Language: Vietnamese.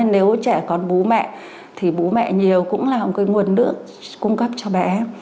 nếu trẻ còn bú mẹ thì bú mẹ nhiều cũng là một cái nguồn nước cung cấp cho bé